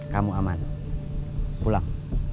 kamu aman pulang